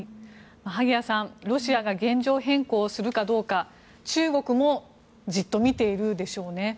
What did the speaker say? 萩谷さん、ロシアが現状変更するかどうか中国もじっと見ているでしょうね。